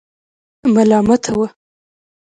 ملامتاوه.